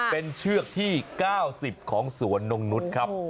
เป็นเชือกที่๙๐ของสวนนงนุษย์ครับ